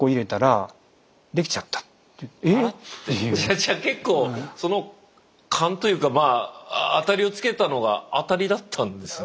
じゃあ結構その勘というかまあ当たりをつけたのが当たりだったんですね。